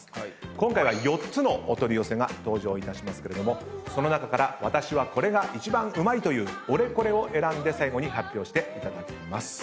今回は４つのお取り寄せが登場いたしますけれどもその中から私はこれが一番うまいというオレコレを選んで最後に発表していただきます。